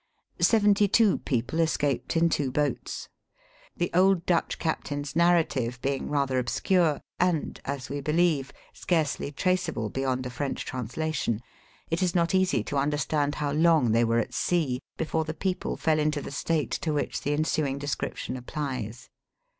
Seventy two people escaped in two boats. The old Dutch cap tain's narrative being rather obscure, and (as we believe) scarcely traceable beyond a French translation, it is not easy to under stand how long they were at sea, before the people fell into the state to which the ensu ing description applies.